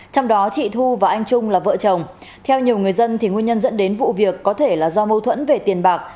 trong đó chị thu và anh trung là vợ chồng theo nhiều người dân nguyên nhân dẫn đến vụ việc có thể là do mâu thuẫn về tiền bạc